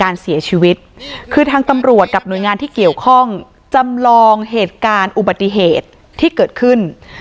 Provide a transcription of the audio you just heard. เสียชีวิตคือทางตำรวจกับหน่วยงานที่เกี่ยวข้องจำลองเหตุการณ์อุบัติเหตุที่เกิดขึ้น